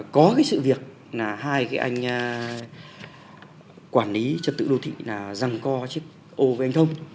có cái sự việc là hai cái anh quản lý trật tự đô thị là rằng co chiếc ô với anh thông